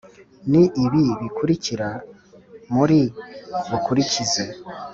ni ibi bikurikira muri bukurikize.